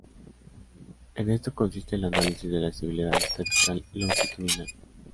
En esto consiste el análisis de la estabilidad estática longitudinal.